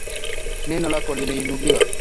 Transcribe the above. Neno lako limeinuliwa.